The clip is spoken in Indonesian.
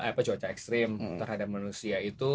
apa cuaca ekstrim terhadap manusia itu